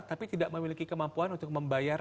tapi tidak memiliki kemampuan untuk membayar